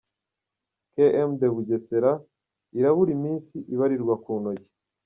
Km de Bugesera irabura iminsi ibarirwa ku ntoki .